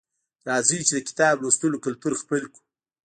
راځئ چې د کتاب لوستلو کلتور خپل کړو